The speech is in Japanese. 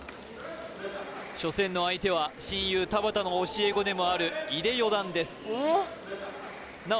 初戦の相手は親友・田畑の教え子でもある井手四段ですなお